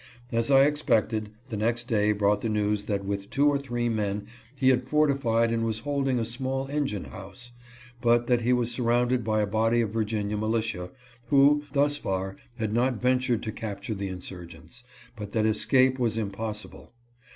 As I ex pected, the next day brought the news that with two or three men he had fortified and was holding a small engine house, but that he was surrounded by a body of Virginia militia, who, thus far, had not ventured to capture the insur gents, but that escape was impossible.